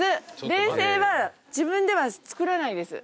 冷製は自分では作らないです。